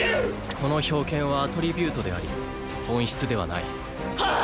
この冰剣はアトリビュートであり本質ではないはあ？